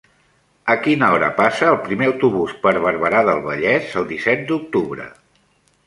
A quina hora passa el primer autobús per Barberà del Vallès el disset d'octubre?